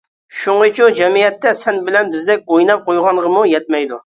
شۇڭىچۇ جەمئىيەتتە سەن بىلەن بىزدەك ئويناپ قويغانغىمۇ يەتمەيدۇ.